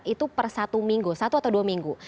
itu per satu minggu satu atau dua minggu